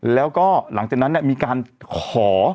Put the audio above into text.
แล้วก็หลังจากนั้นมีการขอ